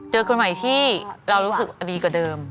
คนใหม่ที่เรารู้สึกดีกว่าเดิม